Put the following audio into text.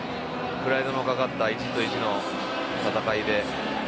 プライドのかかった意地と意地の戦いで。